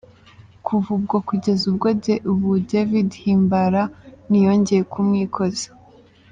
Kuva ubwo kugeza ubu David Himbara ntiyongeye kumwikoza.